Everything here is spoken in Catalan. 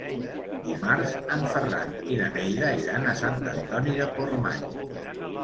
Dimarts en Ferran i na Neida iran a Sant Antoni de Portmany.